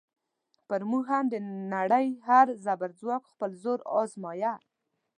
پر موږ هم د نړۍ هر زبرځواک خپل زور ازمایه.